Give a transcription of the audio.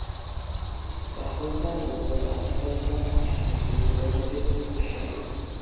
তাহলতান উত্তর আথাবাসকান ভাষার একটি দুর্বল নথিভুক্ত ভাষা।